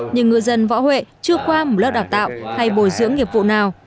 nhưng ngư dân võ huệ chưa qua một lớp đào tạo hay bồi dưỡng nghiệp vụ nào